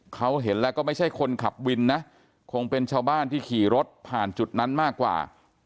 เขาเห็นแล้วก็ไม่ใช่คนขับวินนะคงเป็นชาวบ้านที่ขี่รถผ่านจุดนั้นมากกว่า